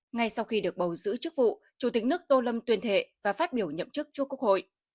ngay sau khi được bầu giữ chức vụ chủ tịch nước tô lâm tuyên thệ và phát biểu nhậm chức trước quốc hội